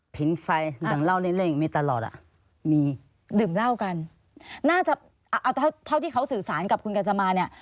เท่าที่เขาสื่อสารกับคุณกัศมาเนี่ย